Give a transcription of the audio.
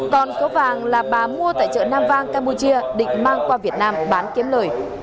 còn số vàng là bà mua tại chợ nam vang campuchia định mang qua việt nam bán kiếm lời